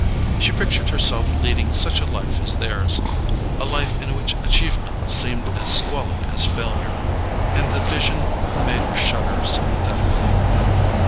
She pictured herself leading such a life as theirs—a life in which achievement seemed as squalid as failure—and the vision made her shudder sympathetically.